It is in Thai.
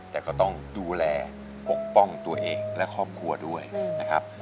แต่ก็ต้องดูแลปกป้องตัวเองและครอบครัวด้วยนะครับ